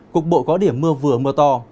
cục bộ có điểm mưa vừa mưa to